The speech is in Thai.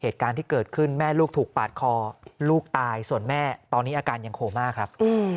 เหตุการณ์ที่เกิดขึ้นแม่ลูกถูกปาดคอลูกตายส่วนแม่ตอนนี้อาการยังโคม่าครับ